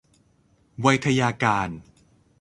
ไวทยการ